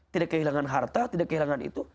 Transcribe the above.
tidak kehilangan harta tidak kehilangan itu